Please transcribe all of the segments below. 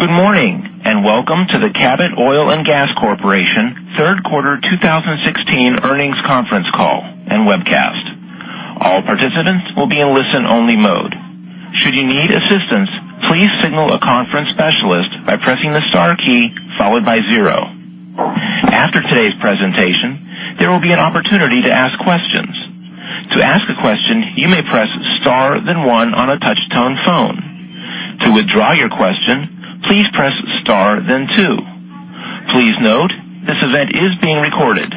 Good morning, and welcome to the Cabot Oil & Gas Corporation third quarter 2016 earnings conference call and webcast. All participants will be in listen-only mode. Should you need assistance, please signal a conference specialist by pressing the star key followed by zero. After today's presentation, there will be an opportunity to ask questions. To ask a question, you may press star then one on a touch-tone phone. To withdraw your question, please press star then two. Please note, this event is being recorded.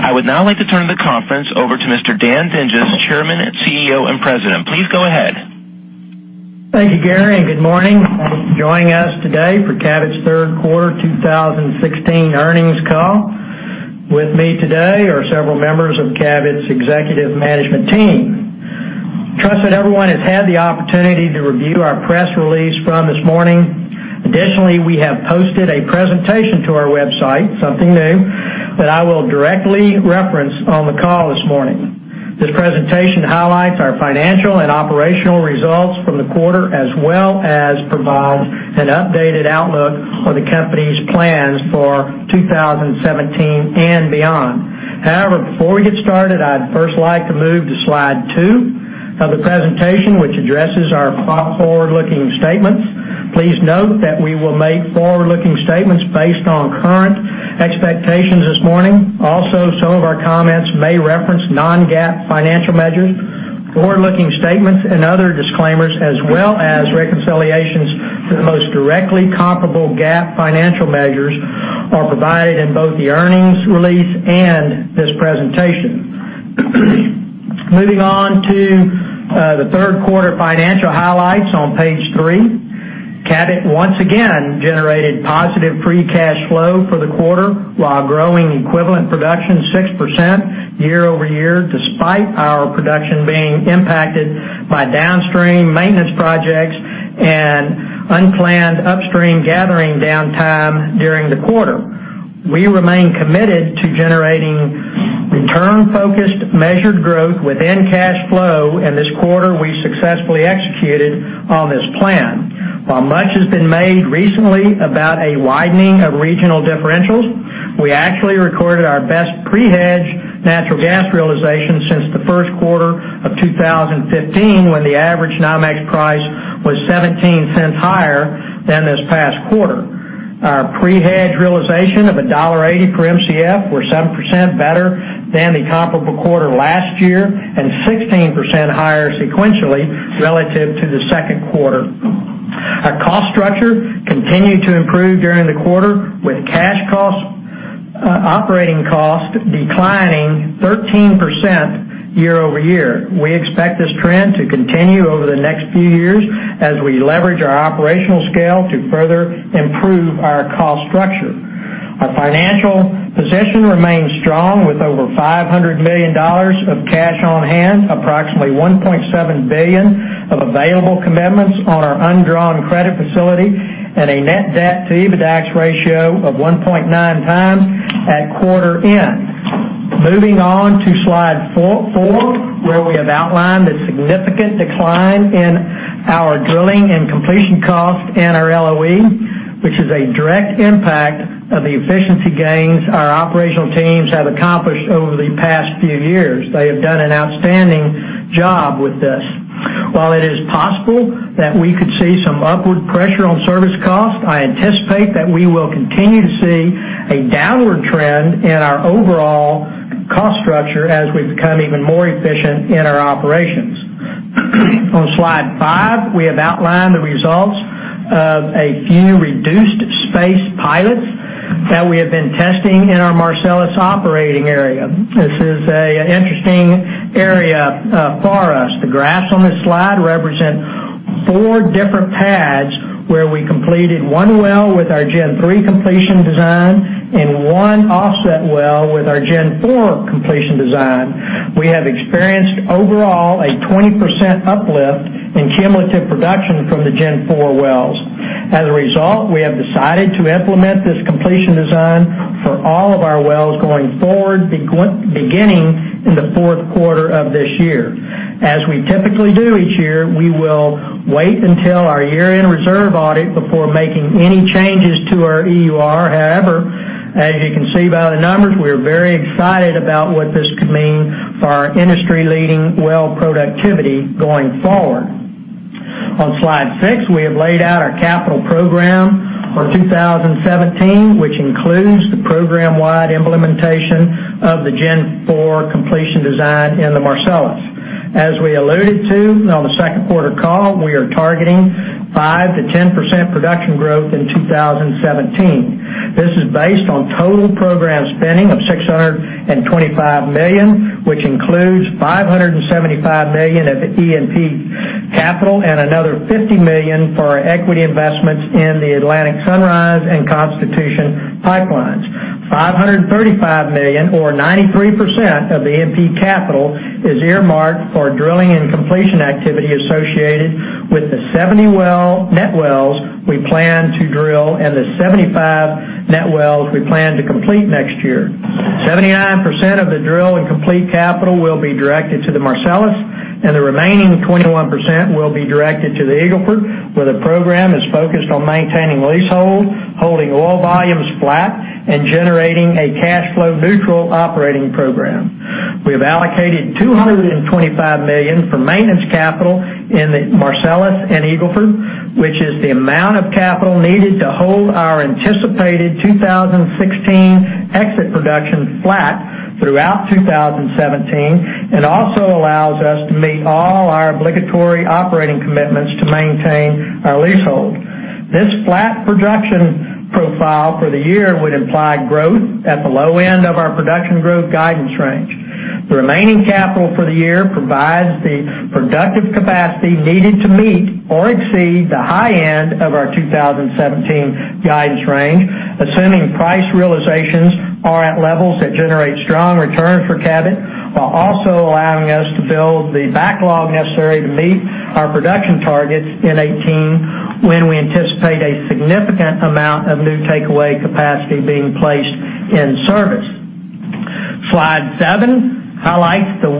I would now like to turn the conference over to Mr. Dan Dinges, Chairman, CEO, and President. Please go ahead. Thank you, Gary, and good morning. Thanks for joining us today for Cabot's third quarter 2016 earnings call. With me today are several members of Cabot's executive management team. Trust that everyone has had the opportunity to review our press release from this morning. Additionally, we have posted a presentation to our website, something new, that I will directly reference on the call this morning. This presentation highlights our financial and operational results from the quarter, as well as provides an updated outlook on the company's plans for 2017 and beyond. Before we get started, I'd first like to move to slide two of the presentation, which addresses our forward-looking statements. Please note that we will make forward-looking statements based on current expectations this morning. Also, some of our comments may reference non-GAAP financial measures. Forward-looking statements and other disclaimers as well as reconciliations to the most directly comparable GAAP financial measures are provided in both the earnings release and this presentation. Moving on to the third quarter financial highlights on page three. Cabot once again generated positive free cash flow for the quarter while growing equivalent production 6% year-over-year, despite our production being impacted by downstream maintenance projects and unplanned upstream gathering downtime during the quarter. This quarter we successfully executed on this plan. While much has been made recently about a widening of regional differentials, we actually recorded our best pre-hedge natural gas realization since the first quarter of 2015, when the average NYMEX price was $0.17 higher than this past quarter. Our pre-hedge realization of $1.80 per Mcf were 7% better than the comparable quarter last year and 16% higher sequentially relative to the second quarter. Our cost structure continued to improve during the quarter with operating cost declining 13% year-over-year. We expect this trend to continue over the next few years as we leverage our operational scale to further improve our cost structure. Our financial position remains strong with over $500 million of cash on hand, approximately $1.7 billion of available commitments on our undrawn credit facility, and a net debt-to-EBITDAX ratio of 1.9 times at quarter end. Moving on to slide four, where we have outlined a significant decline in our drilling and completion cost and our LOE, which is a direct impact of the efficiency gains our operational teams have accomplished over the past few years. They have done an outstanding job with this. While it is possible that we could see some upward pressure on service cost, I anticipate that we will continue to see a downward trend in our overall cost structure as we become even more efficient in our operations. On slide five, we have outlined the results of a few reduced space pilots that we have been testing in our Marcellus operating area. This is an interesting area for us. The graphs on this slide represent four different pads where we completed one well with our Gen 3 completion design and one offset well with our Gen 4 completion design. We have experienced overall a 20% uplift in cumulative production from the Gen 4 wells. As a result, we have decided to implement this completion design for all of our wells going forward, beginning in the fourth quarter of this year. As we typically do each year, we will wait until our year-end reserve audit before making any changes to our EUR. However, as you can see by the numbers, we are very excited about what this could mean for our industry-leading well productivity going forward. On slide six, we have laid out our capital program for 2017, which includes the program-wide implementation of the Gen 4 completion design in the Marcellus. As we alluded to on the second quarter call, we are targeting 5%-10% production growth in 2017. This is based on total program spending of $625 million, which includes $575 million of E&P capital and another $50 million for our equity investments in the Atlantic Sunrise and Constitution pipelines. $535 million or 93% of E&P capital is earmarked for drilling and completion activity associated with the 70 net wells we plan to drill. The 75 net wells we plan to complete next year. 79% of the drill and complete capital will be directed to the Marcellus, and the remaining 21% will be directed to the Eagle Ford, where the program is focused on maintaining leasehold, holding oil volumes flat, and generating a cashflow-neutral operating program. We've allocated $225 million for maintenance capital in the Marcellus and Eagle Ford, which is the amount of capital needed to hold our anticipated 2016 exit production flat throughout 2017, and also allows us to meet all our obligatory operating commitments to maintain our leasehold. This flat production profile for the year would imply growth at the low end of our production growth guidance range. The remaining capital for the year provides the productive capacity needed to meet or exceed the high end of our 2017 guidance range, assuming price realizations are at levels that generate strong returns for Cabot, while also allowing us to build the backlog necessary to meet our production targets in 2018, when we anticipate a significant amount of new takeaway capacity being placed in service. Slide seven highlights the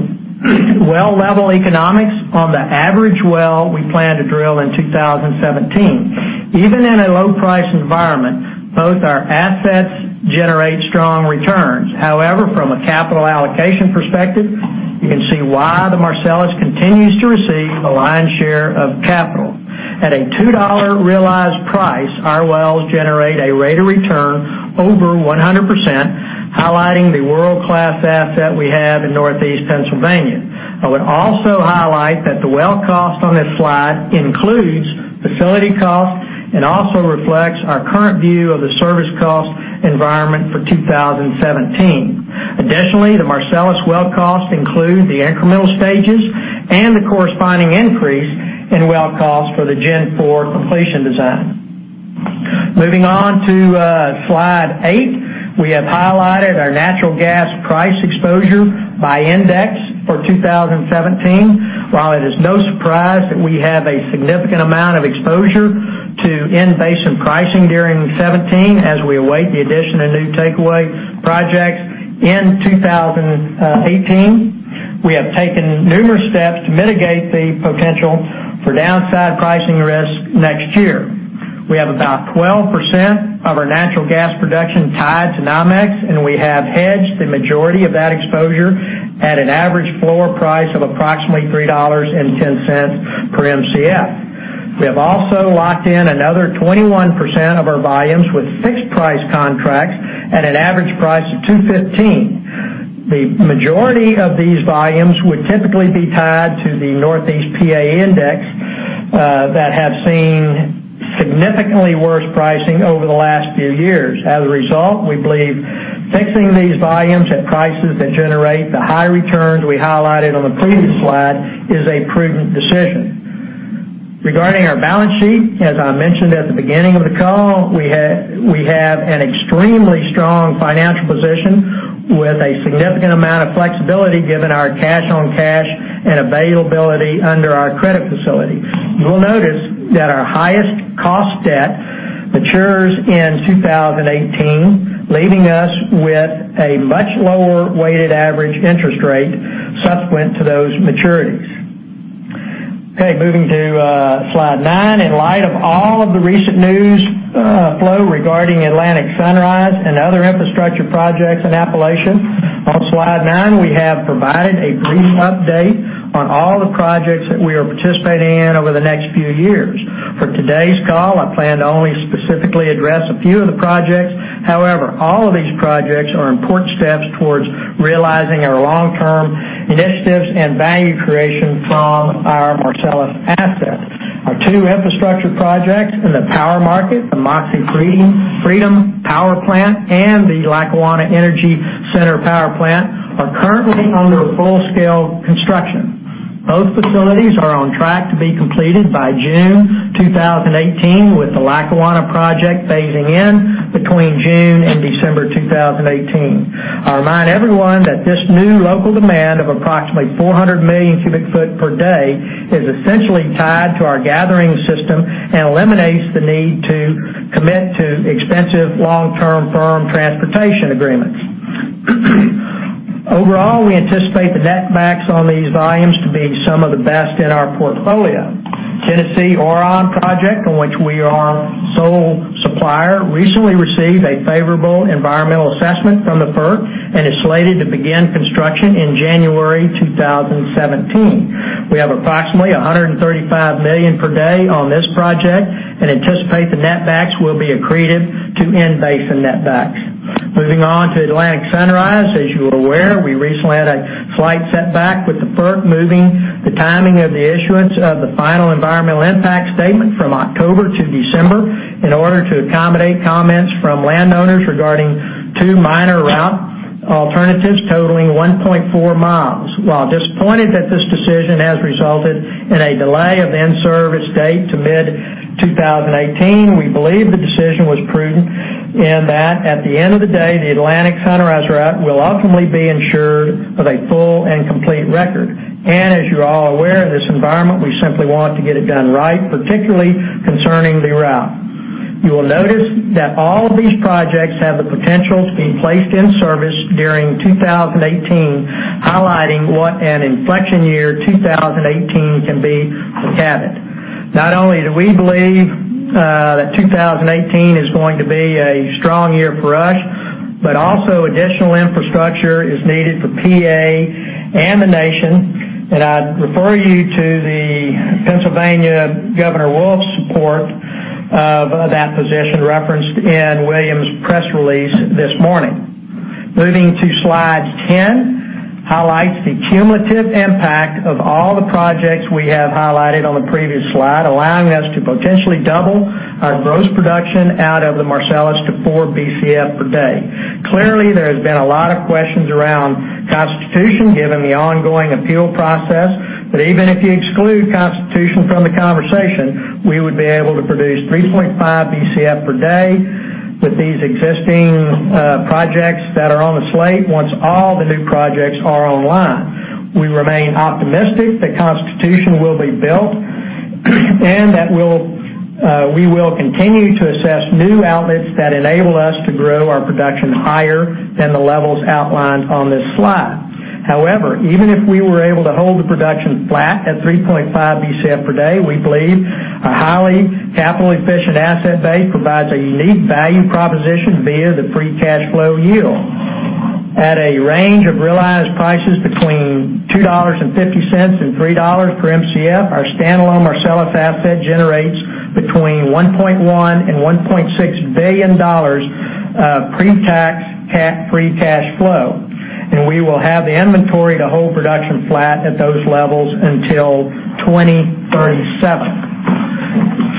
well level economics on the average well we plan to drill in 2017. Even in a low price environment, both our assets generate strong returns. However, from a capital allocation perspective, you can see why the Marcellus continues to receive the lion's share of capital. At a $2 realized price, our wells generate a rate of return over 100%, highlighting the world-class asset we have in Northeast Pennsylvania. I would also highlight that the well cost on this slide includes facility costs and also reflects our current view of the service cost environment for 2017. Additionally, the Marcellus well cost includes the incremental stages and the corresponding increase in well cost for the Gen 4 completion design. Moving on to slide eight. We have highlighted our natural gas price exposure by index for 2017. While it is no surprise that we have a significant amount of exposure to in-basin pricing during 2017, as we await the addition of new takeaway projects in 2018, we have taken numerous steps to mitigate the potential for downside pricing risk next year. We have about 12% of our natural gas production tied to NYMEX, and we have hedged the majority of that exposure at an average floor price of approximately $3.10 per Mcf. We have also locked in another 21% of our volumes with fixed price contracts at an average price of $2.15. The majority of these volumes would typically be tied to the Northeast PA index that has seen significantly worse pricing over the last few years. As a result, we believe fixing these volumes at prices that generate the high returns we highlighted on the previous slide is a prudent decision. Regarding our balance sheet, as I mentioned at the beginning of the call, we have an extremely strong financial position with a significant amount of flexibility given our cash-on-cash and availability under our credit facility. You will notice that our highest cost debt matures in 2018, leaving us with a much lower weighted average interest rate subsequent to those maturities. Moving to slide nine. In light of all of the recent news flow regarding Atlantic Sunrise and other infrastructure projects in Appalachia, on slide nine, we have provided a brief update on all the projects that we are participating in over the next few years. For today's call, I plan to only specifically address a few of the projects. However, all of these projects are important steps towards realizing our long-term initiatives and value creation from our Marcellus assets. Our two infrastructure projects in the power market, the Moxie Freedom Power Plant and the Lackawanna Energy Center Power Plant, are currently under full-scale construction. Both facilities are on track to be completed by June 2018, with the Lackawanna project phasing in between June and December 2018. I'll remind everyone that this new local demand of approximately 400 million cubic feet per day is essentially tied to our gathering system and eliminates the need to commit to expensive long-term firm transportation agreements. Overall, we anticipate the netbacks on these volumes to be some of the best in our portfolio. Tennessee Orion project, on which we are sole supplier, recently received a favorable environmental assessment from the FERC and is slated to begin construction in January 2017. We have approximately 135 million cubic feet per day on this project and anticipate the netbacks will be accretive to in-basin netbacks. Moving on to Atlantic Sunrise. As you are aware, we recently had a slight setback with the FERC moving the timing of the issuance of the final environmental impact statement from October to December in order to accommodate comments from landowners regarding two minor route alternatives totaling 1.4 miles. While disappointed that this decision has resulted in a delay of in-service date to mid-2018, we believe the decision was in that, at the end of the day, the Atlantic Sunrise route will ultimately be insured with a full and complete record. As you're all aware, in this environment, we simply want to get it done right, particularly concerning the route. You will notice that all of these projects have the potential to be placed in service during 2018, highlighting what an inflection year 2018 can be for Cabot. Not only do we believe that 2018 is going to be a strong year for us, but also additional infrastructure is needed for PA and the nation. I'd refer you to the Pennsylvania Governor Wolf's support of that position, referenced in Williams' press release this morning. Moving to Slide 10, highlights the cumulative impact of all the projects we have highlighted on the previous slide, allowing us to potentially double our gross production out of the Marcellus to 4 Bcf per day. Clearly, there has been a lot of questions around Constitution, given the ongoing appeal process. Even if you exclude Constitution from the conversation, we would be able to produce 3.5 Bcf per day with these existing projects that are on the slate once all the new projects are online. We remain optimistic that Constitution will be built and that we will continue to assess new outlets that enable us to grow our production higher than the levels outlined on this slide. However, even if we were able to hold the production flat at 3.5 Bcf per day, we believe a highly capital-efficient asset base provides a unique value proposition via the free cash flow yield. At a range of realized prices between $2.50 and $3 per Mcf, our standalone Marcellus asset generates between $1.1 billion and $1.6 billion of pre-tax free cash flow, and we will have the inventory to hold production flat at those levels until 2037.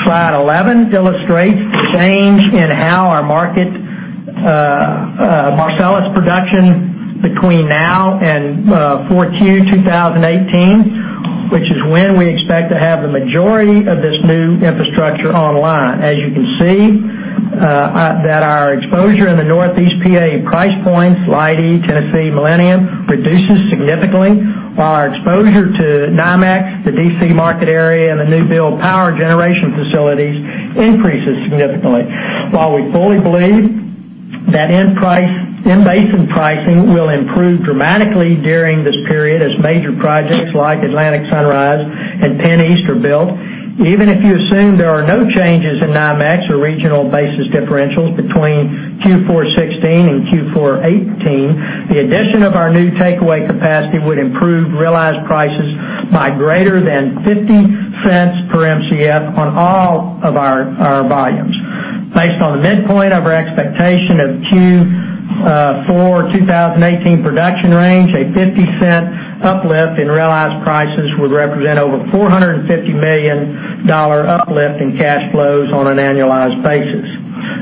Slide 11 illustrates the change in our market Marcellus production between now and 4Q 2018, which is when we expect to have the majority of this new infrastructure online. As you can see, our exposure in the Northeast PA price points, Leidy, Tennessee, Millennium, reduces significantly while our exposure to NYMEX, the D.C. market area, and the new build power generation facilities increases significantly. While we fully believe that in-basin pricing will improve dramatically during this period as major projects like Atlantic Sunrise and PennEast are built, even if you assume there are no changes in NYMEX or regional basis differentials between Q4 2016 and Q4 2018, the addition of our new takeaway capacity would improve realized prices by greater than $0.50 per Mcf on all of our volumes. Based on the midpoint of our expectation of Q4 2018 production range, a $0.50 uplift in realized prices would represent over $450 million uplift in cash flows on an annualized basis.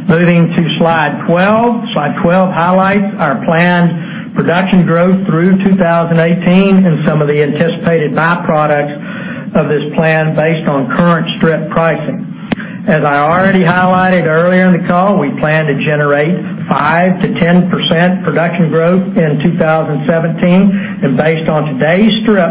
Moving to Slide 12. Slide 12 highlights our planned production growth through 2018 and some of the anticipated byproducts of this plan based on current strip pricing. As I already highlighted earlier in the call, we plan to generate 5%-10% production growth in 2017. Based on today's strip,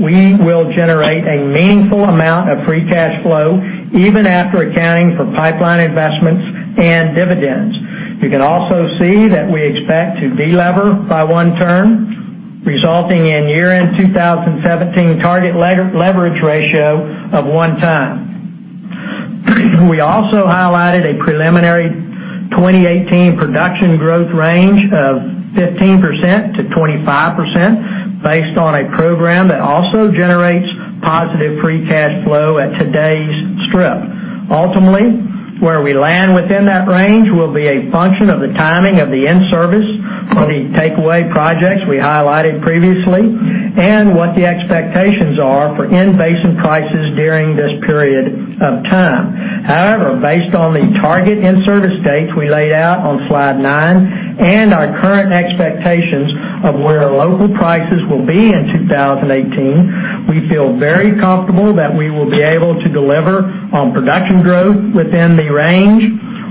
we will generate a meaningful amount of free cash flow even after accounting for pipeline investments and dividends. You can also see that we expect to de-lever by one turn, resulting in year-end 2017 target leverage ratio of one time. We also highlighted a preliminary 2018 production growth range of 15%-25%, based on a program that also generates positive free cash flow at today's strip. Ultimately, where we land within that range will be a function of the timing of the in-service of the takeaway projects we highlighted previously and what the expectations are for in-basin prices during this period of time. However, based on the target in-service dates we laid out on Slide nine and our current expectations of where our local prices will be in 2018, we feel very comfortable that we will be able to deliver on production growth within the range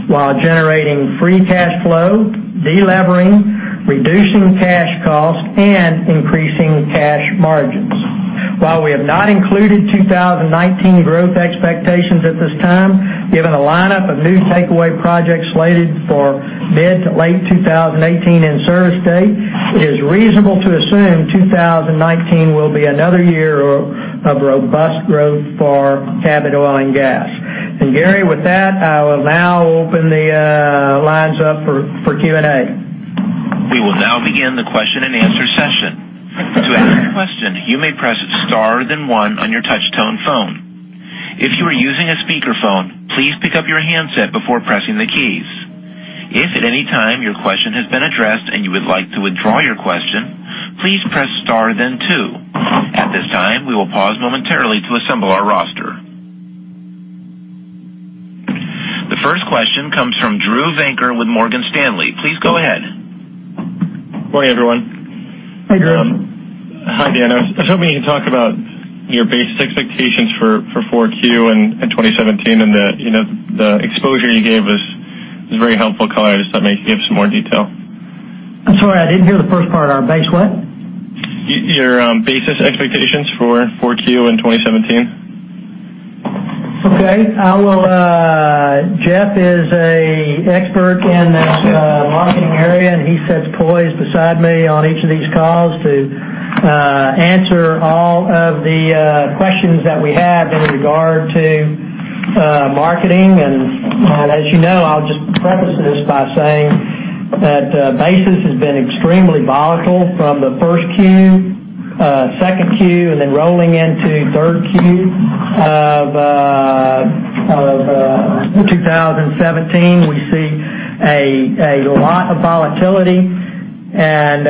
while generating free cash flow, de-levering, reducing cash costs, and increasing cash margins. While we have not included 2019 growth expectations at this time, given a lineup of new takeaway projects slated for mid to late 2018 in-service date, it is reasonable to assume 2019 will be another year of robust growth for Cabot Oil & Gas. Gary, with that, I will now open the lines up for Q&A. We will now begin the question and answer session. To ask a question, you may press star then one on your touch tone phone. If you are using a speakerphone, please pick up your handset before pressing the keys. If at any time your question has been addressed and you would like to withdraw your question, please press star then two. At this time, we will pause momentarily to assemble our roster. The first question comes from Drew Venker with Morgan Stanley. Please go ahead. Morning, everyone. Hi, Drew. Hi, Dan. I was hoping you could talk about your base expectations for 4Q and 2017. The exposure you gave us is a very helpful color. I just thought maybe you could give some more detail. I'm sorry, I didn't hear the first part. Our base what? Your basis expectations for 4Q in 2017. Okay. Jeff is a expert in the marketing area, and he sits poised beside me on each of these calls to answer all of the questions that we have in regard to marketing. As you know, I'll just preface this by saying that basis has been extremely volatile from the first Q, second Q, and then rolling into third Q of 2017. We see a lot of volatility, and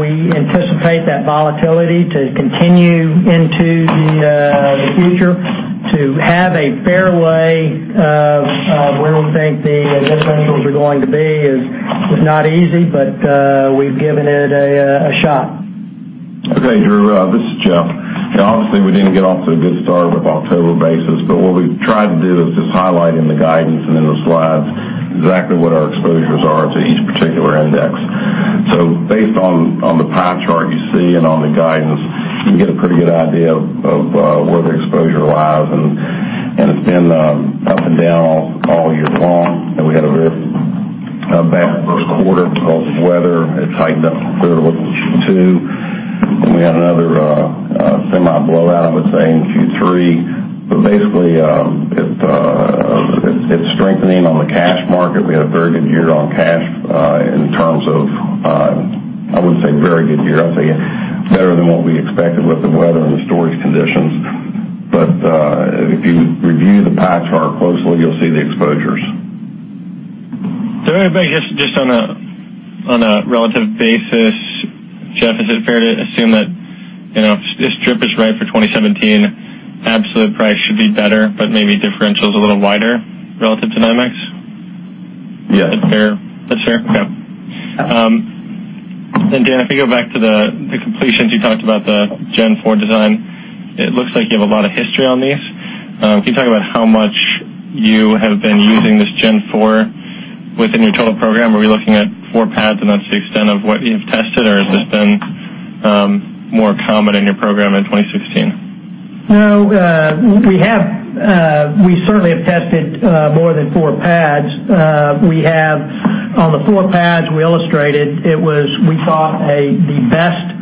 we anticipate that volatility to continue into the future. To have a fair way of where we think the differentials are going to be is not easy, but we've given it a shot. Okay, Drew, this is Jeff. What we've tried to do is just highlight in the guidance and in the slides exactly what our exposures are to each particular index. Based on the pie chart you see and on the guidance, you can get a pretty good idea of where the exposure lies, and it's been up and down all year long, and we had a very bad first quarter because of weather. It tightened up a little in Q2. We had another semi blowout, I would say, in Q3. Basically, it's strengthening on the cash market. We had a very good year on cash in terms of, I wouldn't say very good year. I'd say better than what we expected with the weather and the storage conditions. If you review the pie chart closely, you'll see the exposures. Maybe just on a relative basis, Jeff, is it fair to assume that if strip is right for 2017, absolute price should be better, but maybe differential's a little wider relative to NYMEX? Yes. That's fair? Okay. Dan, if we go back to the completions, you talked about the Gen 4 design. It looks like you have a lot of history on these. Can you talk about how much you have been using this Gen 4 within your total program? Are we looking at four pads, and that's the extent of what you've tested, or has this been more common in your program in 2016? No, we certainly have tested more than four pads. On the four pads we illustrated, it was we thought the best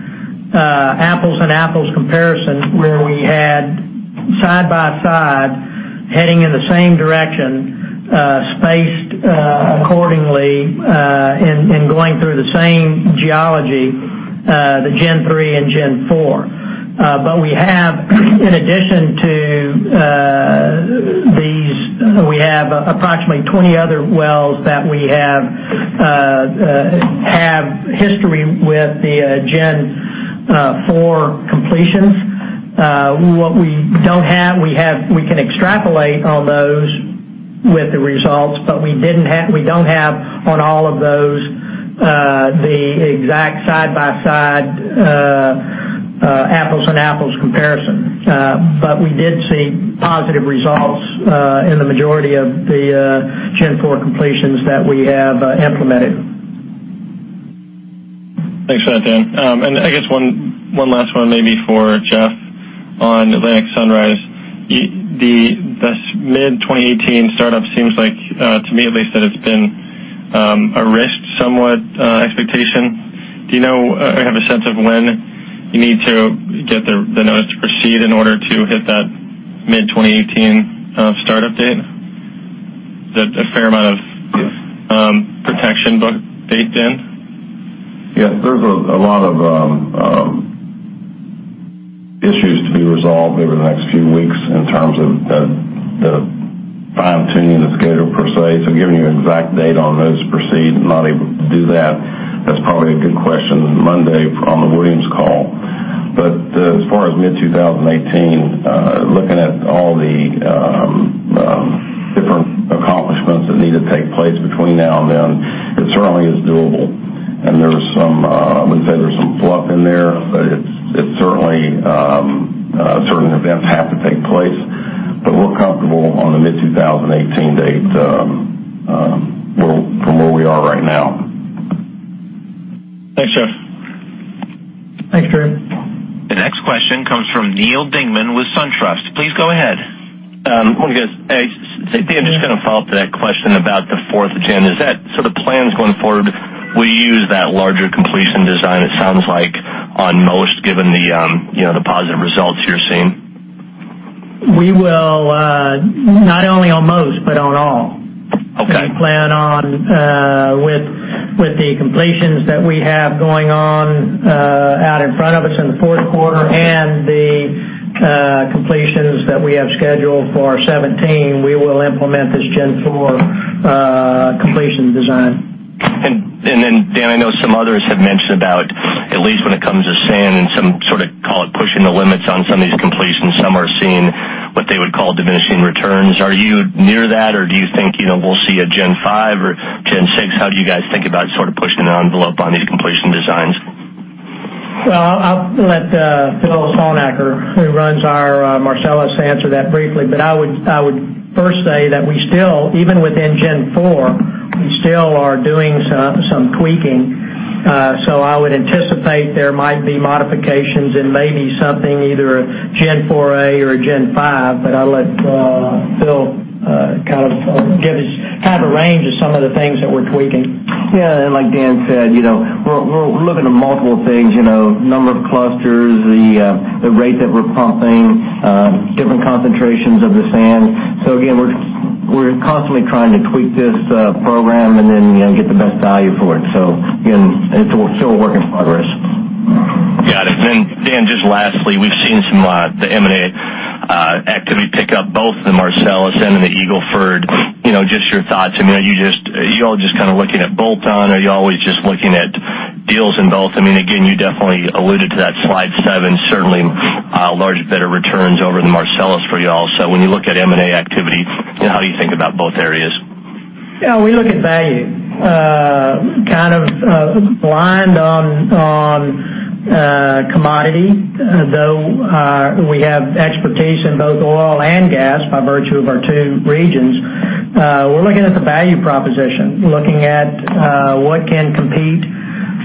apples and apples comparison, where we had side by side, heading in the same direction, spaced accordingly, and going through the same geology, the Gen 3 and Gen 4. We have, in addition to these, we have approximately 20 other wells that we have history with the Gen 4 completions. What we don't have, we can extrapolate on those with the results, but we don't have on all of those the exact side-by-side apples and apples comparison. We did see positive results in the majority of the Gen 4 completions that we have implemented. Thanks for that, Dan. I guess one last one maybe for Jeff on Atlantic Sunrise. The mid-2018 startup seems like, to me at least, that it's been a risked somewhat expectation. Do you know or have a sense of when you need to get the notice to proceed in order to hit that mid-2018 startup date? Is that a fair amount of protection baked in? Yes, there's a lot of issues to be resolved over the next few weeks in terms of the fine-tuning of the schedule per se. Giving you an exact date on those to proceed, I'm not able to do that. That's probably a good question for Monday on the Williams call. As far as mid-2018, looking at all the different accomplishments that need to take place between now and then, it certainly is doable. There's some fluff in there, certain events have to take place. We're comfortable on the mid-2018 date from where we are right now. Thanks, Jeff. Thanks, Drew. The next question comes from Neal Dingmann with SunTrust Robinson Humphrey. Please go ahead. Hey guys. Dan, just going to follow up to that question about the Gen 4. The plan going forward, will you use that larger completion design, it sounds like, on most, given the positive results you're seeing? We will. Not only on most, but on all. Okay. We plan on with the completions that we have going on out in front of us in the fourth quarter and the completions that we have scheduled for 2017, we will implement this Gen 4 completion design. Dan, I know some others have mentioned about, at least when it comes to sand and some sort of call it pushing the limits on some of these Some are seeing what they would call diminishing returns. Are you near that or do you think we'll see a Gen 5 or Gen 6? How do you guys think about pushing the envelope on these completion designs? Well, I'll let Phil Stalnaker, who runs our Marcellus, answer that briefly. I would first say that even within Gen 4, we still are doing some tweaking. I would anticipate there might be modifications and maybe something, either a Gen 4A or a Gen 5. I'll let Phil give a range of some of the things that we're tweaking. Like Dan said, we're looking at multiple things, number of clusters, the rate that we're pumping, different concentrations of the sand. Again, we're constantly trying to tweak this program and then get the best value for it. Again, it's still a work in progress. Got it. Dan, just lastly, we've seen some M&A activity pick up both the Marcellus and in the Eagle Ford. Just your thoughts, are you all just looking at bolt-on or are you always just looking at deals in both? Again, you definitely alluded to that slide seven, certainly larger, better returns over the Marcellus for you all. When you look at M&A activity, how do you think about both areas? Yeah. We look at value. Kind of blind on commodity, though we have expertise in both oil and gas by virtue of our two regions. We're looking at the value proposition, looking at what can compete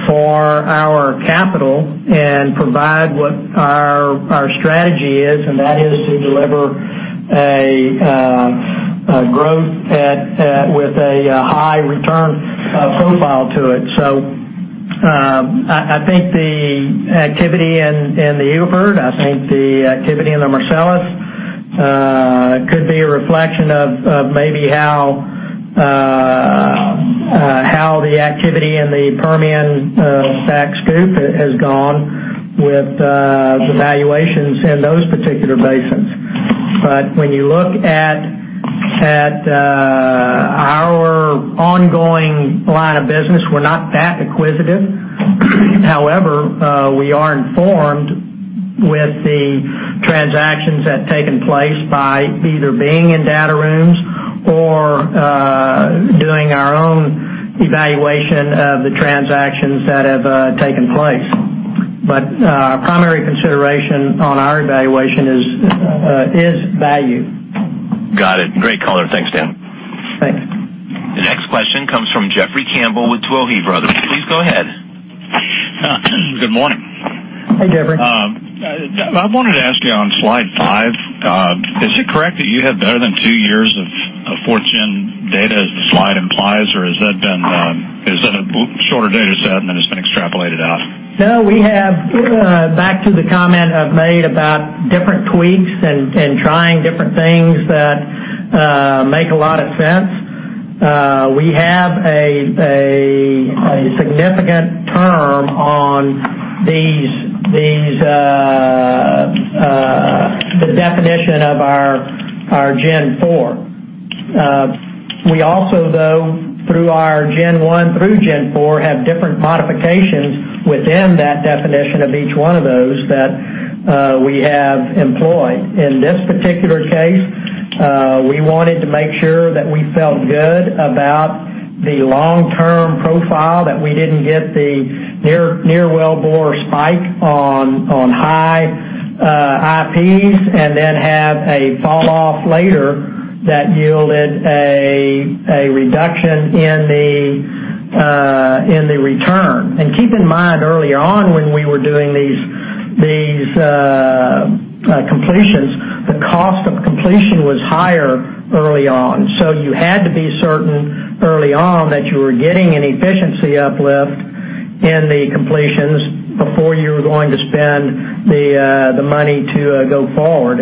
for our capital and provide what our strategy is, and that is to deliver a growth with a high return profile to it. I think the activity in the Eagle Ford, I think the activity in the Marcellus could be a reflection of maybe how the activity in the Permian Bakken group has gone with the valuations in those particular basins. When you look at our ongoing line of business, we're not that acquisitive. However, we are informed with the transactions that taken place by either being in data rooms or doing our own evaluation of the transactions that have taken place. Our primary consideration on our evaluation is value. Got it. Great color. Thanks, Dan. Thanks. The next question comes from Jeffrey Campbell with Tuohy Brothers. Please go ahead. Good morning. Hey, Jeffrey. I wanted to ask you on slide five, is it correct that you have better than two years of Gen 4 data as the slide implies, or is that a shorter data set and then it's been extrapolated out? Back to the comment I have made about different tweaks and trying different things that make a lot of sense. We have a significant term on the definition of our Gen 4. We also, though, through our Gen 1 through Gen 4, have different modifications within that definition of each one of those that we have employed. In this particular case, we wanted to make sure that we felt good about the long-term profile, that we did not get the near wellbore spike on high IPs, and then have a fall off later that yielded a reduction in the return. Keep in mind, earlier on when we were doing these completions, the cost of completion was higher early on. You had to be certain early on that you were getting an efficiency uplift in the completions before you were going to spend the money to go forward.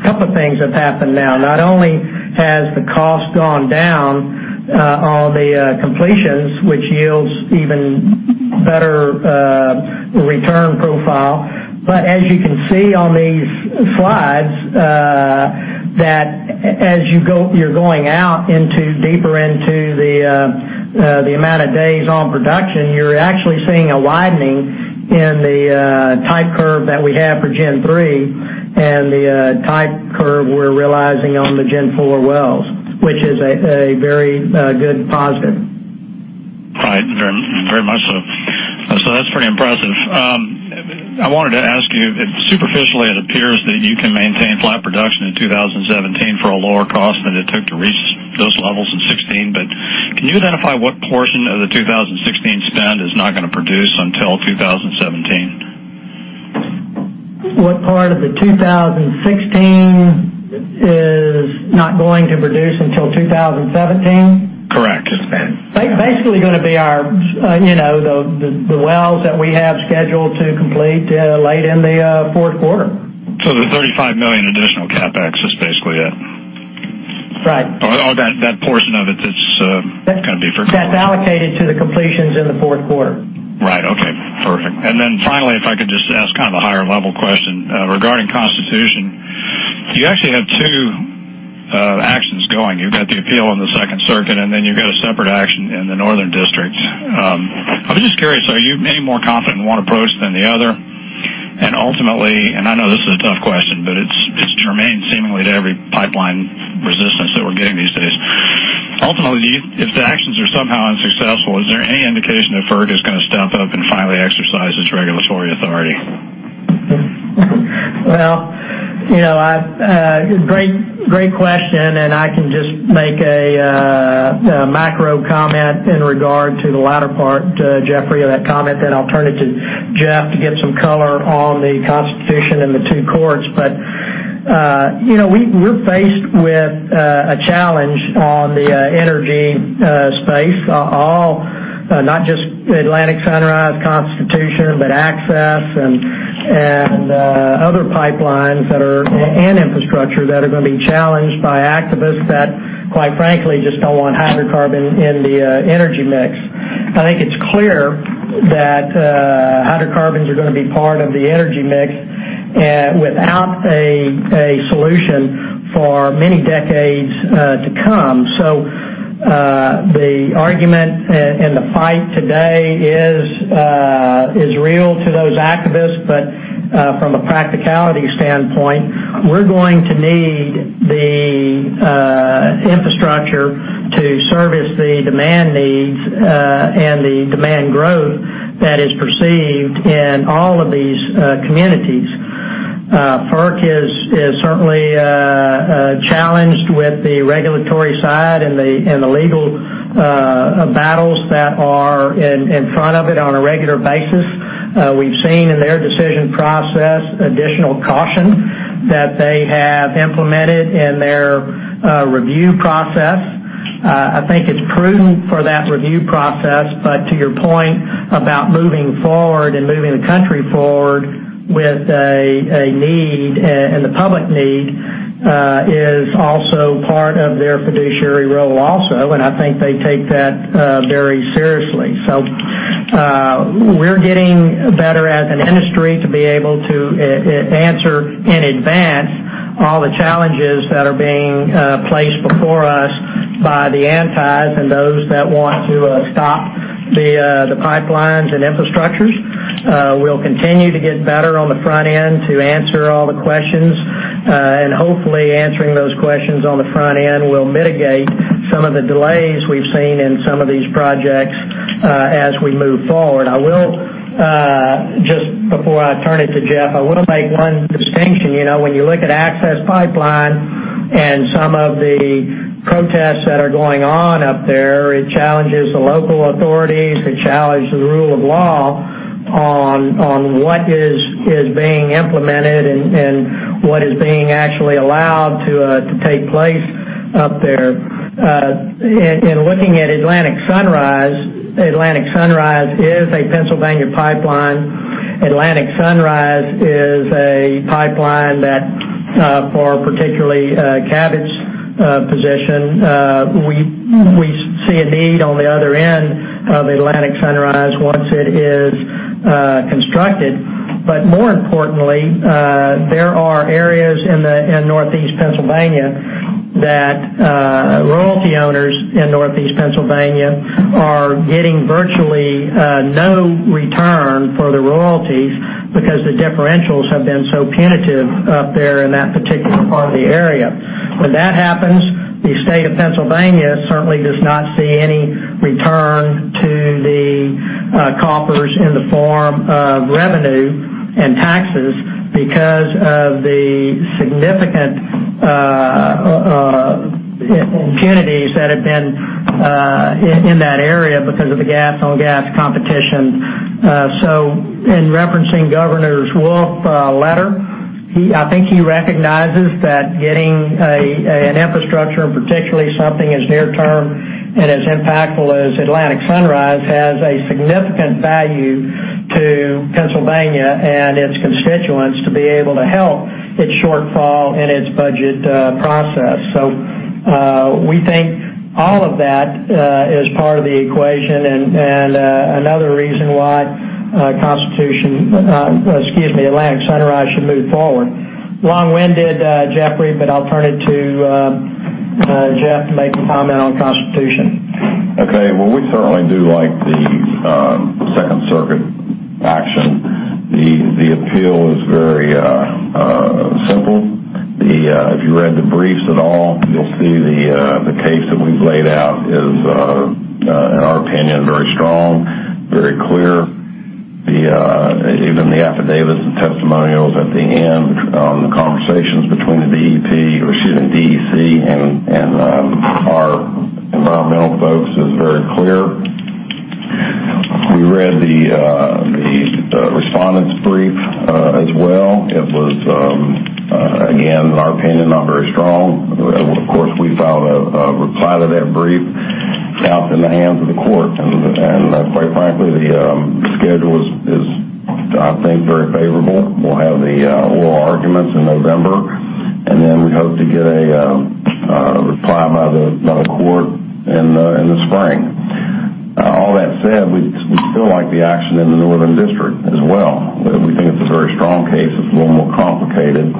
A couple of things have happened now. Not only has the cost gone down on the completions, which yields even better return profile, but as you can see on these slides, that as you are going out deeper into the amount of days on production, you are actually seeing a widening in the type curve that we have for Gen 3 and the type curve we are realizing on the Gen 4 wells, which is a very good positive. Right. Very much so. That is pretty impressive. I wanted to ask you, superficially it appears that you can maintain flat production in 2017 for a lower cost than it took to reach those levels in 2016. Can you identify what portion of the 2016 spend is not going to produce until 2017? What part of the 2016 is not going to produce until 2017? Correct. The spend. Basically going to be the wells that we have scheduled to complete late in the fourth quarter. The $35 million additional CapEx is basically it? Right. That portion of it that's going to be for. That's allocated to the completions in the fourth quarter. Right. Okay, perfect. Finally, if I could just ask a higher level question regarding Constitution. You actually have two actions going. You've got the appeal on the Second Circuit, then you've got a separate action in the Northern District. I was just curious, are you any more confident in one approach than the other? Ultimately, and I know this is a tough question, but it's germane seemingly to every pipeline resistance that we're getting these days. Ultimately, if the actions are somehow unsuccessful, is there any indication that FERC is going to step up and finally exercise its regulatory authority? Well, great question, I can just make a macro comment in regard to the latter part, Jeffrey, of that comment, then I'll turn it to Jeff to get some color on the Constitution and the two courts. We're faced with a challenge on the energy space. Not just Atlantic Sunrise, Constitution, but Access, and other pipelines and infrastructure that are going to be challenged by activists that, quite frankly, just don't want hydrocarbon in the energy mix. I think it's clear that hydrocarbons are going to be part of the energy mix without a solution for many decades to come. The argument and the fight today is real to those activists. From a practicality standpoint, we're going to need the infrastructure to service the demand needs and the demand growth that is perceived in all of these communities. FERC is certainly challenged with the regulatory side and the legal battles that are in front of it on a regular basis. We've seen in their decision process additional caution that they have implemented in their review process. I think it's prudent for that review process, to your point about moving forward and moving the country forward with a need, the public need is also part of their fiduciary role also, I think they take that very seriously. We're getting better as an industry to be able to answer in advance all the challenges that are being placed before us by the antis and those that want to stop the pipelines and infrastructures. We'll continue to get better on the front end to answer all the questions, and hopefully answering those questions on the front end will mitigate some of the delays we've seen in some of these projects as we move forward. Just before I turn it to Jeff, I want to make one distinction. When you look at Access Pipeline and some of the protests that are going on up there, it challenges the local authorities, it challenges the rule of law on what is being implemented and what is being actually allowed to take place up there. In looking at Atlantic Sunrise, Atlantic Sunrise is a Pennsylvania pipeline. Atlantic Sunrise is a pipeline that for particularly Cabot's position we see a need on the other end of Atlantic Sunrise once it is constructed. More importantly, there are areas in Northeast Pennsylvania that royalty owners in Northeast Pennsylvania are getting virtually no return for the royalties because the differentials have been so punitive up there in that particular part of the area. When that happens, the state of Pennsylvania certainly does not see any return to the coffers in the form of revenue and taxes because of the significant penalties that have been in that area because of the gas on gas competition. In referencing Governor Wolf's letter, I think he recognizes that getting an infrastructure, and particularly something as near-term and as impactful as Atlantic Sunrise, has a significant value to Pennsylvania and its constituents to be able to help its shortfall in its budget process. We think all of that is part of the equation and another reason why Atlantic Sunrise should move forward. Long-winded, Jeffrey, I'll turn it to Jeff to make a comment on Constitution. Okay. Well, we certainly do like the Second Circuit action. The appeal is very simple. If you read the briefs at all, you'll see the case that we've laid out is, in our opinion, very strong, very clear. Even the affidavits and testimonials at the end on the conversations between the DEP, or excuse me, DEC and our environmental folks is very clear. We read the respondent's brief as well. It was, again, in our opinion, not very strong. Of course, we filed a reply to that brief. Now it's in the hands of the court. Quite frankly, the schedule is, I think, very favorable. We'll have the oral arguments in November, and then we hope to get a Another court in the spring. All that said, we still like the action in the Northern District as well. We think it's a very strong case. It's a little more complicated.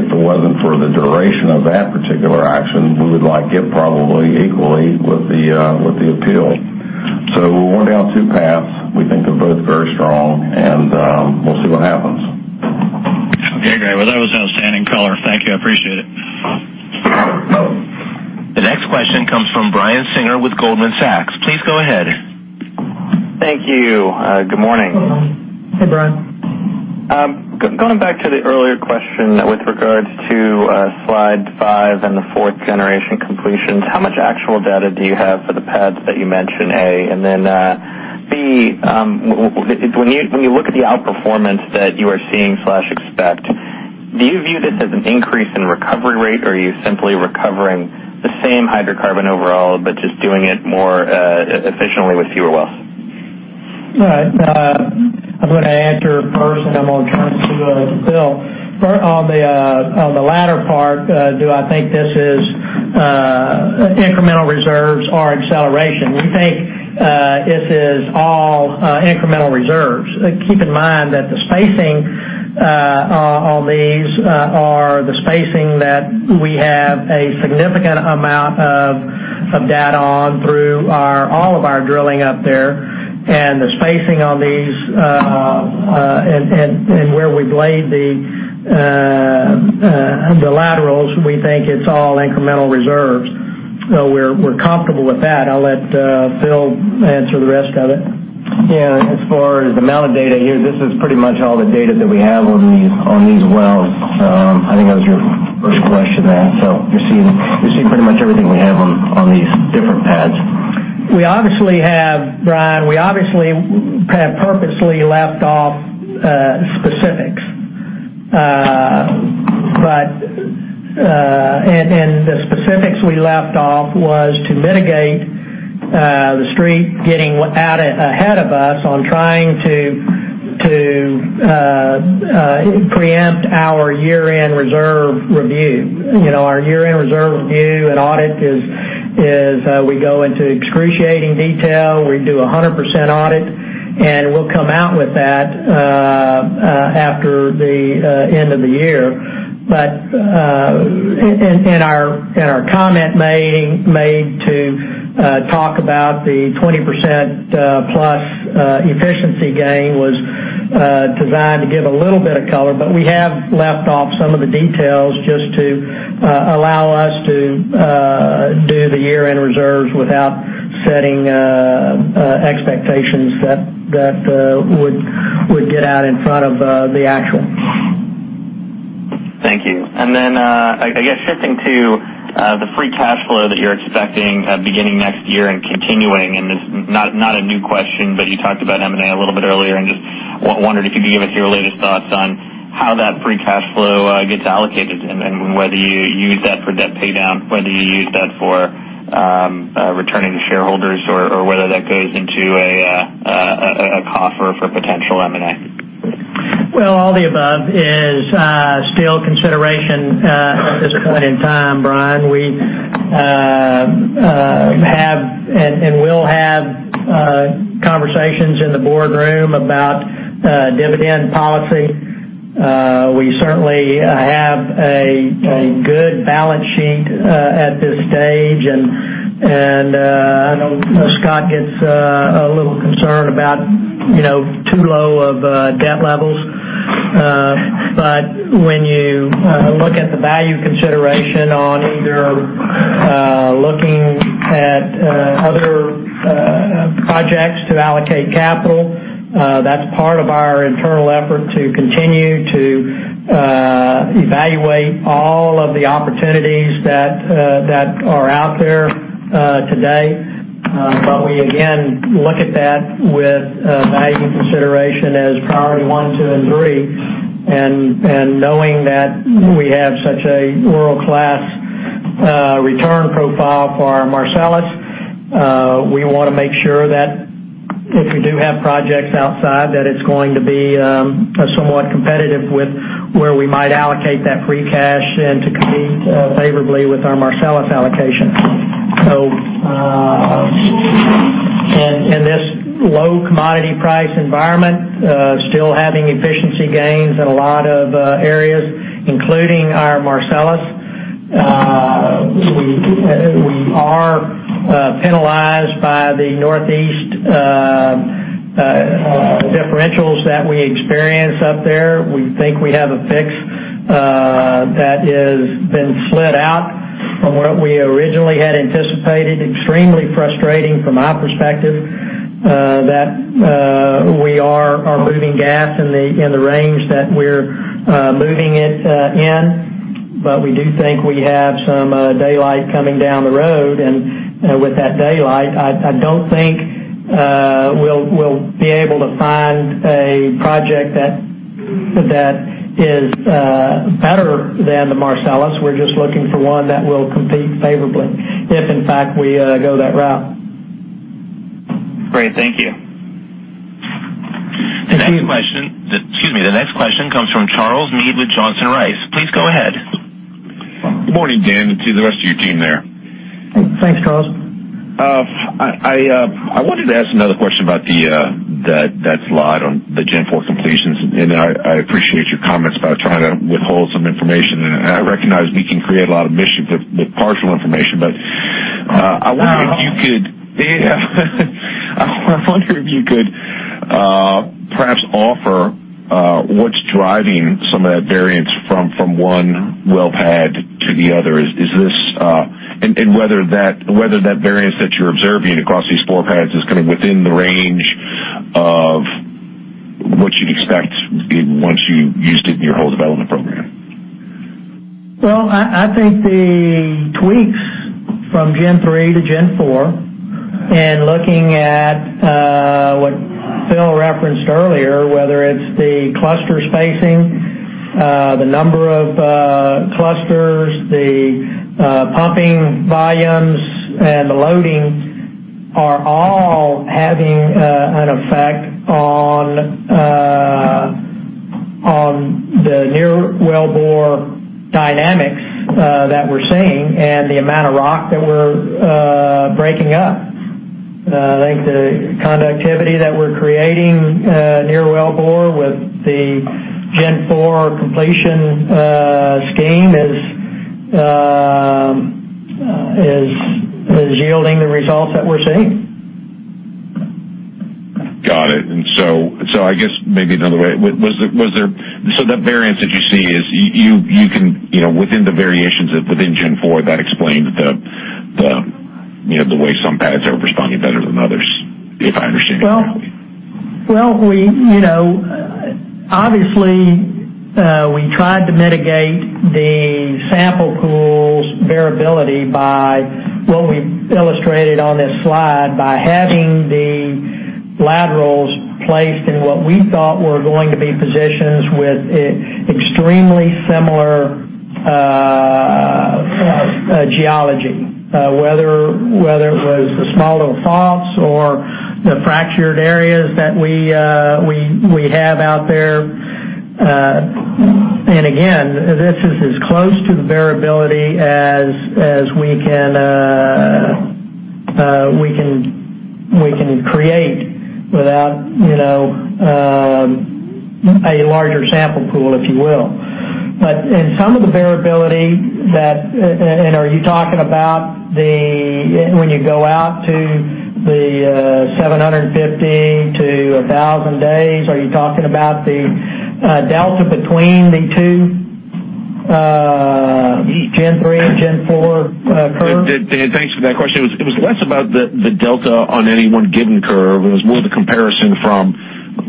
If it wasn't for the duration of that particular action, we would like it probably equally with the appeal. We're going down two paths. We think they're both very strong, and we'll see what happens. Okay, great. Well, that was an outstanding color. Thank you. I appreciate it. The next question comes from Brian Singer with Goldman Sachs. Please go ahead. Thank you. Good morning. Hey, Brian. Going back to the earlier question with regards to slide five and the fourth generation completions, how much actual data do you have for the pads that you mention, A? B, when you look at the outperformance that you are seeing/expect, do you view this as an increase in recovery rate, or are you simply recovering the same hydrocarbon overall, but just doing it more efficiently with fewer wells? Right. I'm going to answer first, I'm going to turn it to Phil. On the latter part, do I think this is incremental reserves or acceleration? We think this is all incremental reserves. Keep in mind that the spacing on these are the spacing that we have a significant amount of data on through all of our drilling up there. The spacing on these and where we've laid the laterals, we think it's all incremental reserves. We're comfortable with that. I'll let Phil answer the rest of it. Yeah, as far as the amount of data here, this is pretty much all the data that we have on these wells. I think that was your first question, you're seeing pretty much everything we have on these different pads. Brian, we obviously have purposely left off specifics. The specifics we left off was to mitigate the Street getting out ahead of us on trying to preempt our year-end reserve review. Our year-end reserve review and audit is we go into excruciating detail. We do 100% audit, and we'll come out with that after the end of the year. In our comment made to talk about the 20%+ efficiency gain was designed to give a little bit of color, but we have left off some of the details just to allow us to do the year-end reserves without setting expectations that would get out in front of the actual. Thank you. I guess shifting to the free cash flow that you're expecting beginning next year and continuing. This is not a new question, but you talked about M&A a little bit earlier and just wondered if you could give us your latest thoughts on how that free cash flow gets allocated and whether you use that for debt paydown, whether you use that for returning to shareholders or whether that goes into a coffer for potential M&A. Well, all the above is still consideration at this point in time, Brian. We have and will have conversations in the boardroom about dividend policy. We certainly have a good balance sheet at this stage, and I know Scott gets a little concerned about too low of debt levels. When you look at the value consideration on either looking at other projects to allocate capital, that's part of our internal effort to continue to evaluate all of the opportunities that are out there today. We, again, look at that with value consideration as priority one, two, and three, and knowing that we have such a world-class return profile for our Marcellus. We want to make sure that if we do have projects outside, that it's going to be somewhat competitive with where we might allocate that free cash and to compete favorably with our Marcellus allocation. In this low commodity price environment, still having efficiency gains in a lot of areas, including our Marcellus. We are penalized by the Northeast differentials that we experience up there. We think we have a fix that has been slid out from what we originally had anticipated. Extremely frustrating from my perspective that we are moving gas in the range that we're moving it in. We do think we have some daylight coming down the road, and with that daylight, I don't think we'll be able to find a project that is better than the Marcellus. We're just looking for one that will compete favorably, if in fact we go that route. Great. Thank you. The next question comes from Charles Mead with Johnson Rice. Please go ahead. Good morning, Dan, and to the rest of your team there. Thanks, Charles. I wanted to ask another question about that slide on the Gen 4 completions. I appreciate your comments about trying to withhold some information, I recognize we can create a lot of mischief with partial information. I wonder if you could perhaps offer what's driving some of that variance from one well pad to the other. Whether that variance that you're observing across these four pads is within the range of what you'd expect once you used it in your whole development program. Well, I think the tweaks from Gen 3 to Gen 4, looking at what Phil referenced earlier, whether it's the cluster spacing, the number of clusters, the pumping volumes, the loading are all having an effect on the near wellbore dynamics that we're seeing the amount of rock that we're breaking up. I think the conductivity that we're creating near wellbore with the Gen 4 completion scheme is yielding the results that we're seeing. Got it. I guess maybe another way, that variance that you see is, within the variations within Gen 4, that explains the way some pads are responding better than others, if I understand correctly. Well, obviously, we tried to mitigate the sample pool's variability by what we illustrated on this slide, by having the laterals placed in what we thought were going to be positions with extremely similar geology, whether it was the small little faults or the fractured areas that we have out there. Again, this is as close to the variability as we can create without a larger sample pool, if you will. Are you talking about when you go out to the 750-1,000 days? Are you talking about the delta between the two, Gen 3 and Gen 4 curve? Thanks for that question. It was less about the delta on any one given curve. It was more the comparison from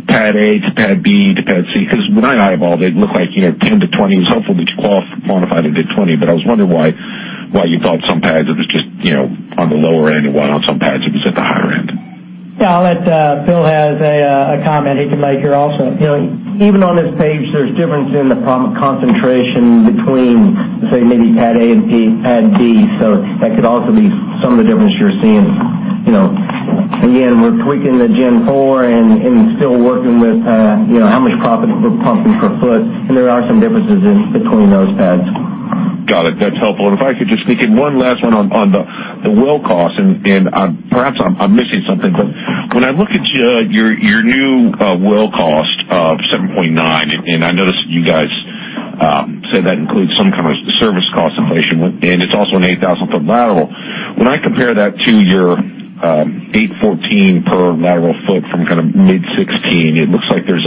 pad A to pad B to pad C, because when I eyeballed it looked like 10 to 20. It was helpful that you quantified it at 20, I was wondering why you thought some pads, it was just on the lower end, and why on some pads it was at the higher end. Yeah. Phil has a comment he can make here also. Even on this page, there's difference in the concentration between, say, maybe pad A and pad B. That could also be some of the difference you're seeing. Again, we're tweaking the Gen 4 and still working with how much proppant we're pumping per foot, and there are some differences between those pads. Got it. That's helpful. If I could just sneak in one last one on the well cost, perhaps I'm missing something, but when I look at your new well cost of $7.9, I noticed you guys said that includes some service cost inflation, and it's also an 8,000-foot lateral. When I compare that to your $814 per lateral foot from mid 2016, it looks like there's,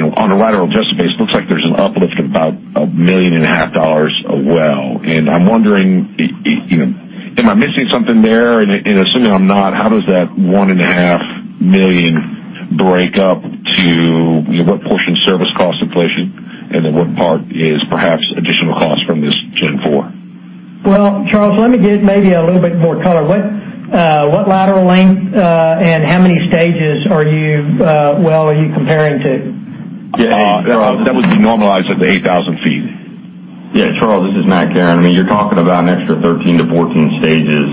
on a lateral adjusted base, looks like there's an uplift of about a million and a half dollars a well. I'm wondering, am I missing something there? Assuming I'm not, how does that $1.5 million break up to what portion service cost inflation, and then what part is perhaps additional cost from this Gen 4? Well, Charles, let me give maybe a little bit more color. What lateral length, and how many stages well are you comparing to? That would be normalized at the 8,000 feet. Yeah, Charles, this is Matt Kerin. You're talking about an extra 13-14 stages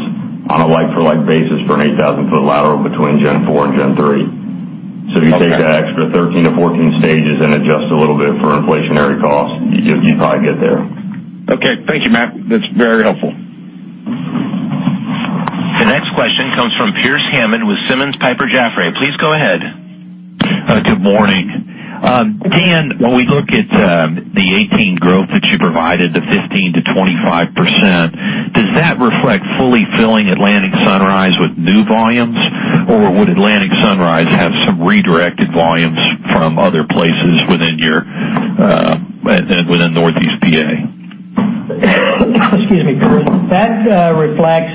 on a like-for-like basis for an 8,000-foot lateral between Gen 4 and Gen 3. Okay. If you take that extra 13-14 stages and adjust a little bit for inflationary cost, you'd probably get there. Okay. Thank you, Matt. That's very helpful. The next question comes from Pearce Hammond with Simmons Piper Jaffray. Please go ahead. Good morning. Dan, when we look at the 2018 growth that you provided, the 15%-25%, does that reflect fully filling Atlantic Sunrise with new volumes, or would Atlantic Sunrise have some redirected volumes from other places within Northeast PA? Excuse me. That reflects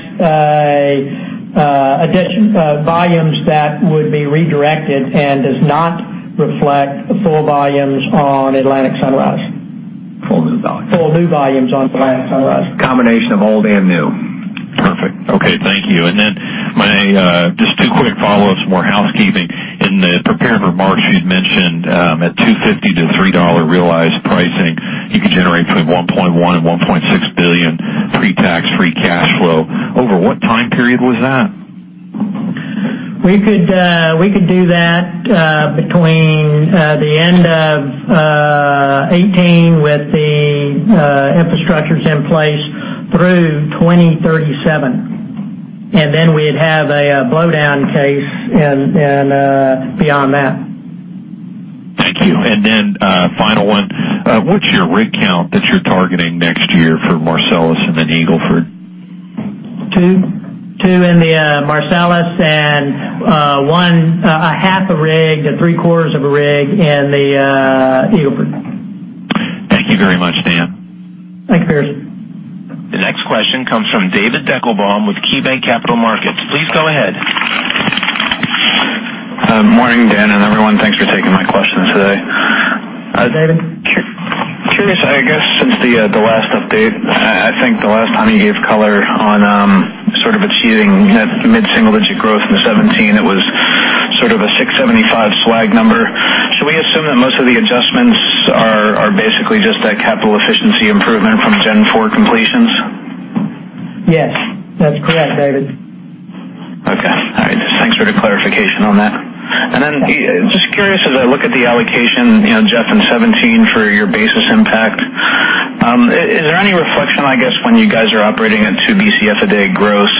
volumes that would be redirected and does not reflect the full volumes on Atlantic Sunrise. Full new volumes. Full new volumes on Atlantic Sunrise. Combination of old and new. Perfect. Okay. Thank you. Then just two quick follow-ups, more housekeeping. In the prepared remarks, you'd mentioned at $2.50-$3 realized pricing, you could generate between $1.1 billion and $1.6 billion. What time period was that? We could do that between the end of 2018 with the infrastructures in place through 2037, and then we'd have a blowdown case beyond that. Thank you. Final one, what's your rig count that you're targeting next year for Marcellus and then Eagle Ford? Two in the Marcellus, one, a half a rig to three-quarters of a rig in the Eagle Ford. Thank you very much, Dan. Thanks, Pearce. The next question comes from David Deckelbaum with KeyBanc Capital Markets. Please go ahead. Morning, Dan and everyone. Thanks for taking my questions today. David. Curious, I guess, since the last update, I think the last time you gave color on achieving mid-single-digit growth in 2017, it was sort of a 675 swag number. Should we assume that most of the adjustments are basically just that capital efficiency improvement from Gen 4 completions? Yes. That's correct, David. Okay. All right. Just thanks for the clarification on that. Just curious, as I look at the allocation, Jeff, in 2017 for your basis impact, is there any reflection, I guess, when you guys are operating at 2 Bcf a day gross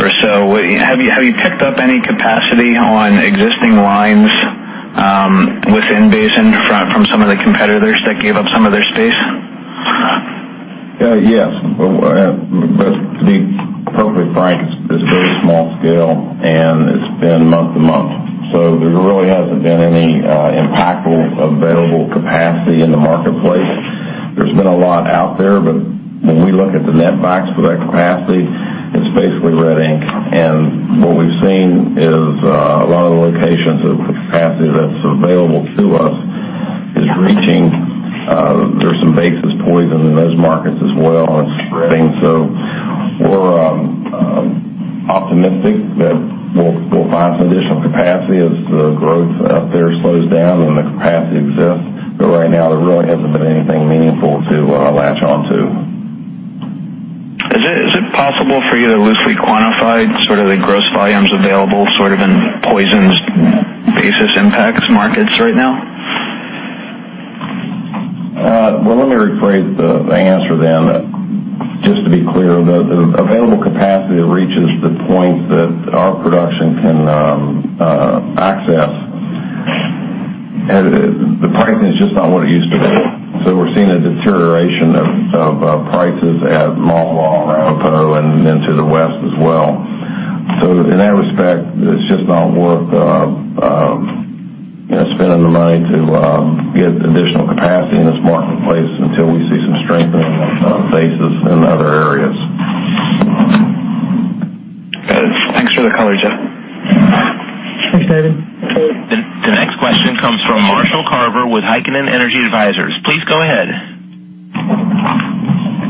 or so, have you picked up any capacity on existing lines within basin from some of the competitors that gave up some of their space? Yes. To be perfectly frank, it's very small scale, and it's been month to month. There really hasn't been any impactful available capacity in the marketplace. There's been a lot out there. When we look at the net backs for that capacity, it's basically red ink. What we've seen is a lot of the locations of capacity that's available to us is reaching. There's some basis poison in those markets as well, and it's spreading. We're optimistic that we'll find some additional capacity as the growth out there slows down and the capacity exists. Right now, there really hasn't been anything meaningful to latch onto. Is it possible for you to loosely quantify the gross volumes available in poisoned basis impacts markets right now? Well, let me rephrase the answer then, just to be clear. The available capacity reaches the point that our production can access. The pricing is just not what it used to be. We're seeing a deterioration of prices at Dominion, Appo, and into the west as well. In that respect, it's just not worth spending the money to get additional capacity in this marketplace until we see some strengthening on basis in other areas. Got it. Thanks for the color, Jeff. Thanks, David. The next question comes from Marshall Carver with Heikkinen Energy Advisors. Please go ahead.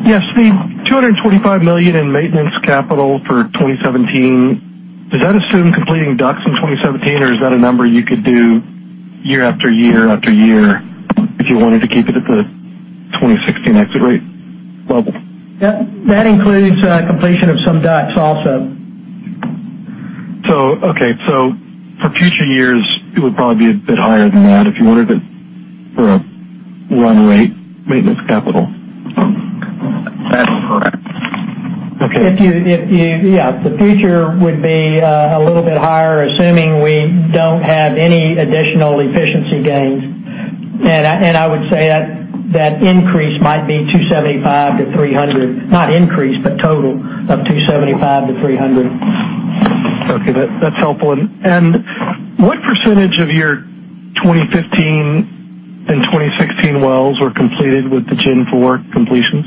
Yes. The $225 million in maintenance capital for 2017, does that assume completing DUCs in 2017, or is that a number you could do year after year after year if you wanted to keep it at the 2016 exit rate level? That includes completion of some DUCs also. Okay. For future years, it would probably be a bit higher than that if you wanted it for a run rate maintenance capital. That's correct. Okay. Yeah. The future would be a little bit higher, assuming we don't have any additional efficiency gains. I would say that increase might be $275-$300. Not increase, but total of $275-$300. Okay. That's helpful. What % of your 2015 and 2016 wells were completed with the Gen 4 completions?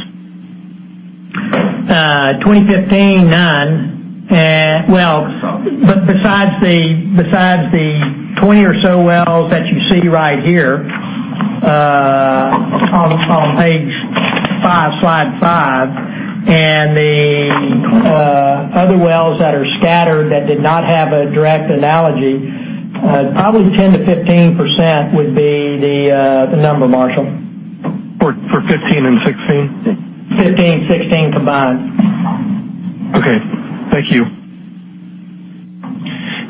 2015, none. Besides the 20 or so wells that you see right here on page five, slide five, and the other wells that are scattered that did not have a direct analogy, probably 10%-15% would be the number, Marshall. For '15 and '16? '15 and '16 combined. Okay. Thank you.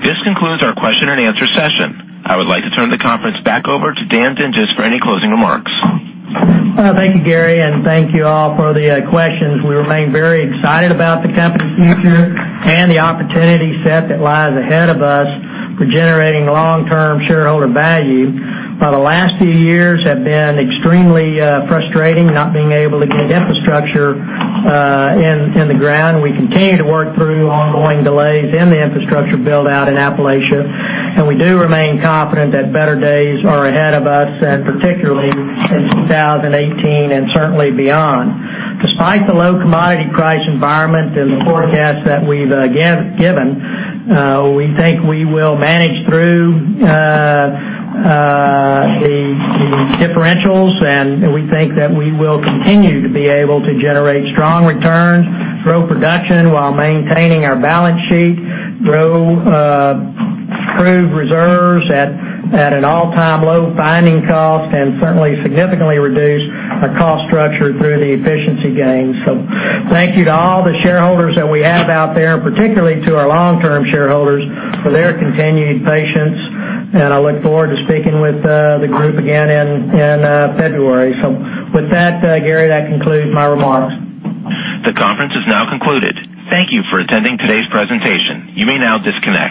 This concludes our question and answer session. I would like to turn the conference back over to Dan Dinges for any closing remarks. Thank you, Gary, and thank you all for the questions. We remain very excited about the company's future and the opportunity set that lies ahead of us for generating long-term shareholder value. The last few years have been extremely frustrating not being able to get infrastructure in the ground. We continue to work through ongoing delays in the infrastructure build-out in Appalachia, and we do remain confident that better days are ahead of us, particularly in 2018 and certainly beyond. Despite the low commodity price environment and the forecast that we've given, we think we will manage through the differentials, and we think that we will continue to be able to generate strong returns, grow production while maintaining our balance sheet, grow proved reserves at an all-time low finding cost, and certainly significantly reduce our cost structure through the efficiency gains. Thank you to all the shareholders that we have out there, particularly to our long-term shareholders for their continued patience, and I look forward to speaking with the group again in February. With that, Gary, that concludes my remarks. The conference is now concluded. Thank you for attending today's presentation. You may now disconnect.